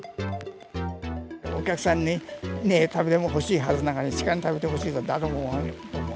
お客さんに、食べてほしいはずなのに、シカに食べてほしいなんて、誰も思わねえ。